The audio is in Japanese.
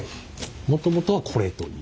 もともとはこれという。